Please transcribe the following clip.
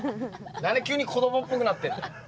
何で急に子供っぽくなってんだ。